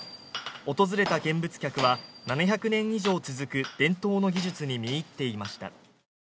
訪れた見物客は、７００年以上続く伝統の技術に見入っていました。